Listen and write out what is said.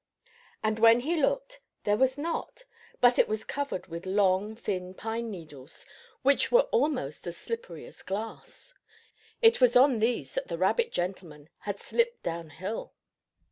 And when he looked there was not, but it was covered with long, thin pine needles, which are almost as slippery as glass. It was on these that the rabbit gentleman had slipped down hill.